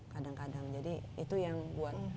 kadang kadang jadi itu yang buat